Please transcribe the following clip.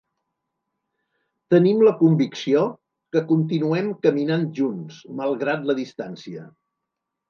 Tenim la convicció que continuem caminant junts, malgrat la distància.